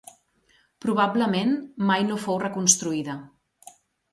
Probablement mai no fou reconstruïda.